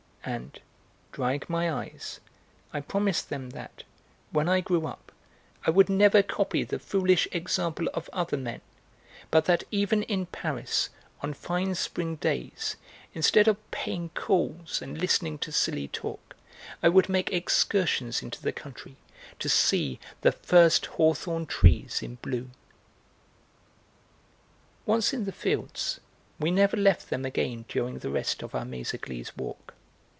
And, drying my eyes, I promised them that, when I grew up, I would never copy the foolish example of other men, but that even in Paris, on fine spring days, instead of paying calls and listening to silly talk, I would make excursions into the country to see the first hawthorn trees in bloom. Once in the fields we never left them again during the rest of our Méséglise walk.